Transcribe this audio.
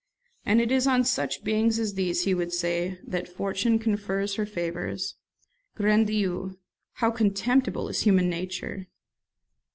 And it is on such beings as these,' he would say, 'that Fortune confers her favours. Grand Dieu! how contemptible is human nature!'"